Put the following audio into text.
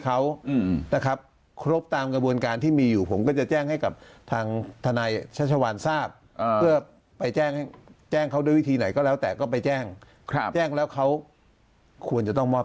คือเร็วที่สุดก็อาจจะเป็นภายในสัปดาห์นี้